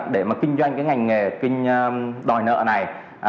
để mà kinh doanh cái ngành nghề kinh đòi nợ này